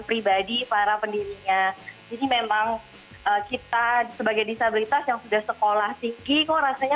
pribadi para pendirinya ini memang kita sebagai disabilitas yang sudah sekolah tinggi kok rasanya